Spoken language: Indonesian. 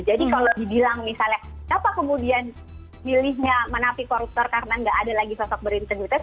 jadi kalau dibilang misalnya kenapa kemudian pilihnya menapi koruptor karena nggak ada lagi sosok berintegritas